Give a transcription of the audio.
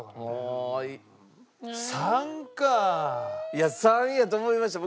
いや３やと思いました。